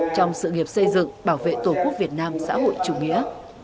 trong sự nghiệp xây dựng bảo vệ tổ quốc việt nam xã hội chủ nghĩa